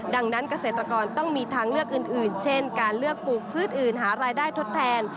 ดังนั้นเกษตรกรต้องมีทางเลือกอื่นเช่นการเลือกปลูกพืชอื่นหารายได้ทดแทน